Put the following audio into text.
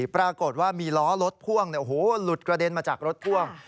ปรากฏว่ามีล้อรถพ่วงหลุดกระเด็นมาจากรถพ่วง